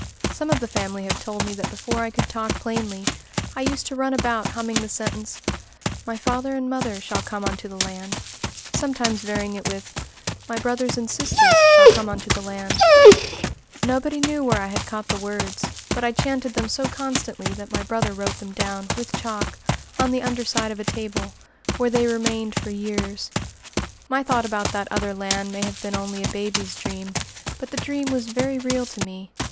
Some of the family have told me that before I could talk plainly, I used to run about humming the sentence "My father and mother Shall come unto the land," sometimes varying it with, "My brothers and sisters Shall come unto the land;" Nobody knew where I had caught the words, but I chanted them so constantly that my brother wrote them down, with chalk, on the under side of a table, where they remained for years. My thought about that other land may have been only a baby's dream; but the dream was very real to me.